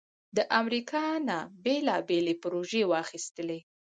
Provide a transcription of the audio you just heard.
د امریکا نه بیلابیلې پروژې واخستلې